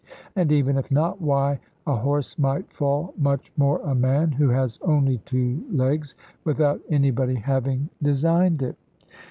And even if not why, a horse might fall, much more a man (who has only two legs), without anybody having designed it.